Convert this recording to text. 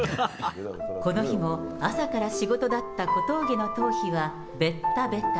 この日も、朝から仕事だった小峠の頭皮はべったべた。